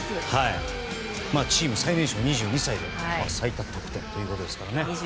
チーム最年少２２歳で最多得点ということですからね。